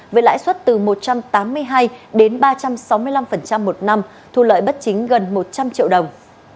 với lãi suất từ một trăm tám mươi hai đến ba trăm sáu mươi năm một năm thu lợi bất chính gần một trăm linh triệu đồng